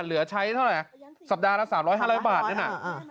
เหลือใช้เท่าไหร่สัปดาห์ละสามร้อยห้าร้อยบาทน่ะน่ะ